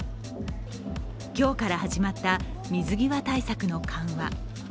今日から始まった水際対策の緩和。